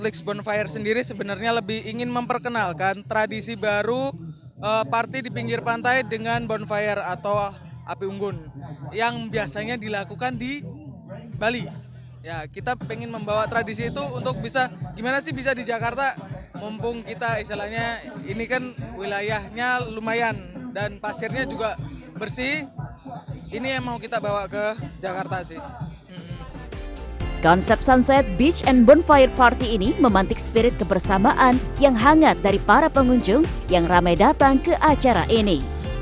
konsep sunset beach and bonfire party ini memantik spirit kebersamaan yang hangat dari para pengunjung yang ramai datang ke acara ini